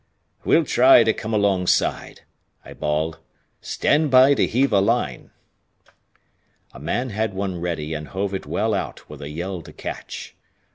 "We'll try to come alongside," I bawled. "Stand by to heave a line." A man had one ready and hove it well out with a yell to catch.